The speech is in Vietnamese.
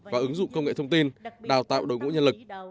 và ứng dụng công nghệ thông tin đào tạo đội ngũ nhân lực